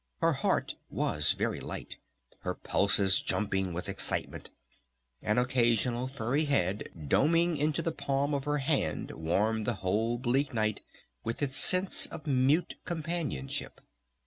Her heart was very light, her pulses jumping with excitement, an occasional furry head doming into the palm of her hand warmed the whole bleak night with its sense of mute companionship.